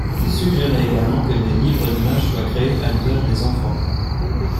Il suggérait également que des livres d'images soient créés à l'usage des enfants.